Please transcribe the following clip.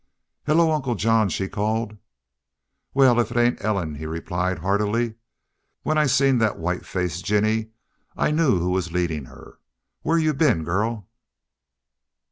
"Hello, Uncle John!" she called. "Wal, if it ain't Ellen!" he replied, heartily. "When I seen thet white faced jinny I knowed who was leadin' her. Where you been, girl?"